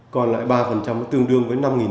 còn lại ba tương đương với năm học sinh